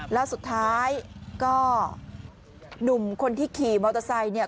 แล้วสุดท้ายก็หนุ่มคนที่ขี่มอเตอร์ไซค์เนี่ย